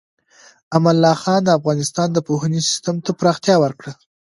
امان الله خان د افغانستان د پوهنې سیستم ته پراختیا ورکړه.